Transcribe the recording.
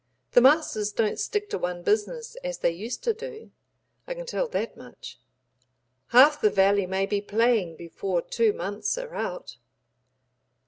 The masters don't stick to one business as they used to do. I can tell that much. Half the valley may be 'playing' before two months are out."